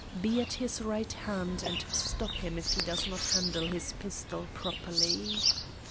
Be at his right hand, and stop him if he does not handle his pistol properly."